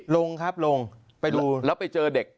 แล้วไปเจอเด็ก